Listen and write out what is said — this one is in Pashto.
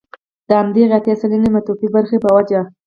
د همدغې اتيا سلنه متوفي برخې په وجه.